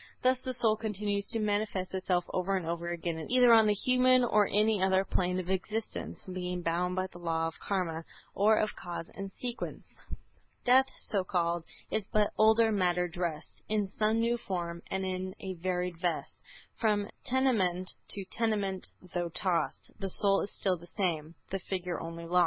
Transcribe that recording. Thus the soul continues to manifest itself over and over again either on the human or any other plane of existence, being bound by the Law of Karma or of Cause and Sequence. "Death, so called, is but older matter dressed In some new form. And in a varied vest, From tenement to tenement though tossed, The soul is still the same, the figure only lost."